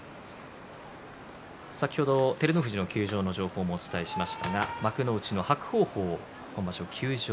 先ほど照ノ富士の休場の情報もお伝えしましたが幕内の伯桜鵬、今場所休場。